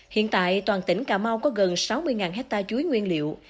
hiện tại toàn tỉnh cà mau có gần sáu mươi hectare chuối nguyên liệu